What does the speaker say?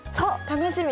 楽しみ。